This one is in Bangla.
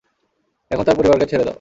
এখন তার পরিবারকে ছেড়ে দাও।